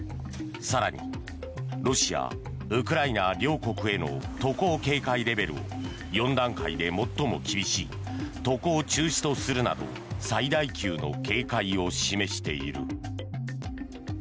更にロシア、ウクライナ両国への渡航警戒レベルを４段階で最も厳しい渡航中止とするなど最大級の警戒を示している。